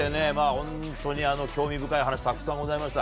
本当に興味深い話たくさんございました。